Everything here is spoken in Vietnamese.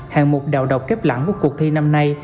hạng mục đào độc kép lặng của cuộc thi năm nay